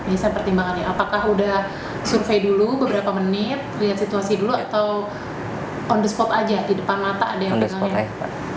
bisa pertimbangannya apakah udah survei dulu beberapa menit lihat situasi dulu atau on the spot aja di depan mata ada yang belakangnya